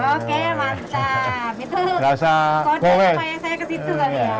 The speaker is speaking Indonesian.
oke mantap itu kode saya kesitu kali ya